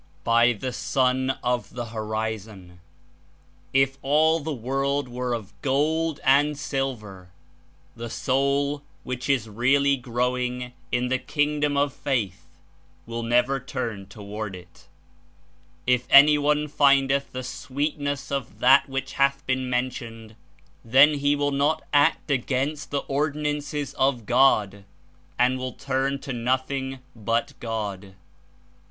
"By the Sun of the Horizon! If all the world were of gold and silver, the soul, which is really growing in the Kingdom of faith, will never turn The toward it. If any one findeth the Ordinances sweetncss of that which hath been men of God tioned, then he will not act against the Ordinances of God, and will turn to nothing but God.